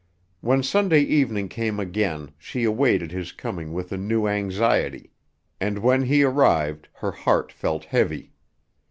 When Sunday evening came again she awaited his coming with a new anxiety, and when he arrived her heart felt heavy.